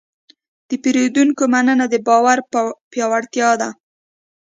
د پیرودونکي مننه د باور پیاوړتیا ده.